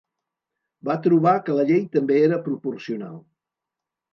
Va trobar que la llei també era proporcional.